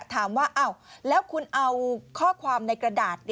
ถามว่าอ้าวแล้วคุณเอาข้อความในกระดาษ